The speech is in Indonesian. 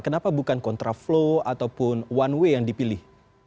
kenapa bukan kontraflow ataupun one way yang dipilih